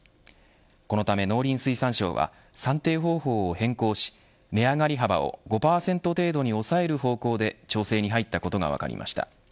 このため農林水産省は算定方法を変更し値上がり幅を５％程度に抑える方向で調整に入ったことが分かりました。